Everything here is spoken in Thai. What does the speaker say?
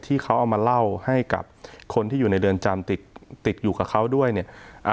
ที่เขาเอามาเล่าให้กับคนที่อยู่ในเรือนจำติดอยู่กับเขาด้วยเนี่ย